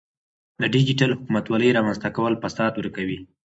د ډیجیټل حکومتولۍ رامنځته کول فساد ورکوي.